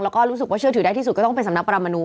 แล้วก็รู้สึกว่าเชื่อถือได้ที่สุดก็ต้องเป็นสำนักประมนู